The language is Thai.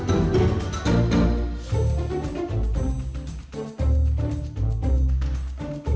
เพื่อนรับทราบ